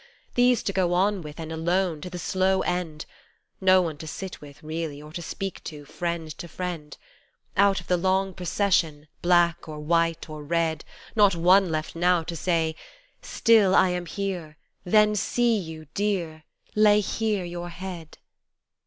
These to go on with and alone, to the slow end : No one to sit with, really, or to speak to, friend to friend : Out of the long procession, black or white or red Not one left now to say " Still I am here, then see you, dear, lay here your head."